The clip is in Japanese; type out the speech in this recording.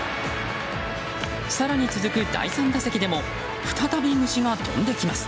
更に続く第３打席でも再び虫が飛んできます。